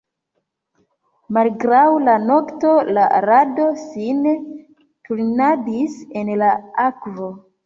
Malgraŭ la nokto la rado sin turnadis en la akvo.